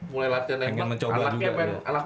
mulai latihan menembak